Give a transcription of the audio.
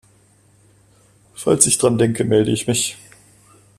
Falls ich dran denke, melde ich mich.